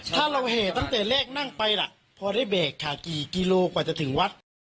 ถ้าเราแห่ตั้งแต่แรกนั่งไปล่ะพอได้เบรกค่ะกี่กิโลกว่าจะถึงวัด